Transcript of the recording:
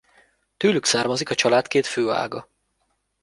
Tőlük származik a család két főága.